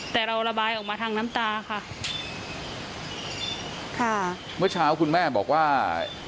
แต่เราระบายออกมาทางน้ำตาค่ะค่ะเมื่อเช้าคุณแม่บอกว่า